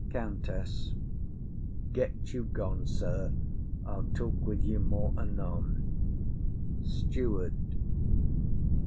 _ COUNTESS. Get you gone, sir; I'll talk with you more anon. STEWARD.